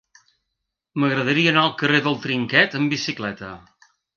M'agradaria anar al carrer del Trinquet amb bicicleta.